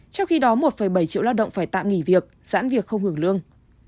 trong khi đó một bảy triệu lao động phải tạm nghỉ việc giãn việc không hưởng lương